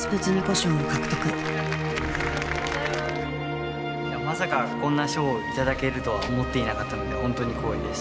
賞」を獲得いやまさかこんな賞を頂けるとは思っていなかったのでホントに光栄です。